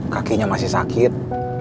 kakinya masih sakit